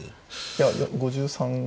いやいや５３。